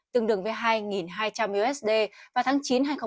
tương đương với hai hai trăm linh usd vào tháng chín hai nghìn hai mươi